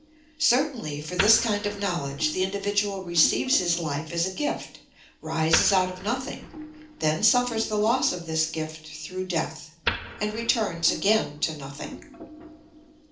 Certainly, for this kind of knowledge, the individual receives his life as a gift, rises out of nothing, then suffers the loss of this gift through death, and returns again to nothing.